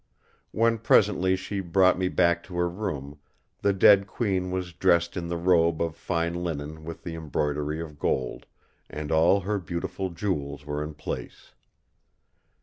When presently she brought me back to her room, the dead Queen was dressed in the robe of fine linen with the embroidery of gold; and all her beautiful jewels were in place.